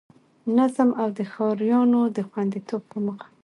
نظم او د ښاريانو د خوندیتوب په موخه